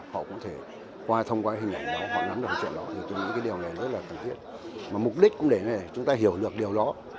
họ cũng có thể qua thông qua hình ảnh đó họ nắm được chuyện đó mục đích cũng để chúng ta hiểu được điều đó